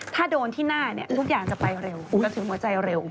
ถ้าโดนที่หน้าทุกอย่างจะไปเร็วกระถึงหัวใจเร็ว